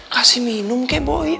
kasih minum ke boy